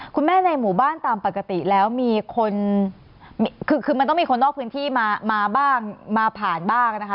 ในหมู่บ้านตามปกติแล้วมีคนคือมันต้องมีคนนอกพื้นที่มาบ้างมาผ่านบ้างนะคะ